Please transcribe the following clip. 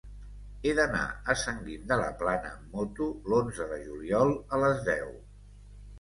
He d'anar a Sant Guim de la Plana amb moto l'onze de juliol a les deu.